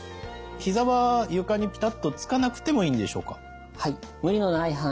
ひざは床にピタッとつかなくてもいいんでしょうか？